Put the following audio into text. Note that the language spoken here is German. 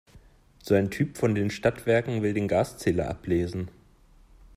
So ein Typ von den Stadtwerken will den Gaszähler ablesen.